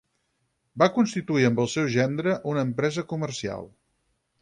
Va constituir amb el seu gendre una empresa comercial.